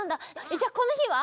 じゃこのひは？